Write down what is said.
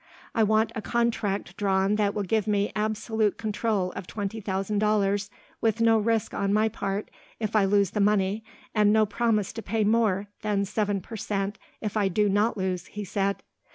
"I want a contract drawn that will give me absolute control of twenty thousand dollars with no risk on my part if I lose the money and no promise to pay more than seven per cent if I do not lose," he said.